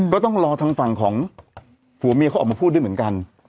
ก็ต้องรอทางฝั่งของผัวเมียเขาออกมาพูดด้วยเหมือนกัน